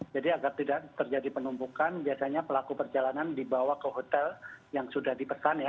jadi agar tidak terjadi penumpukan biasanya pelaku perjalanan dibawa ke hotel yang sudah dipesan ya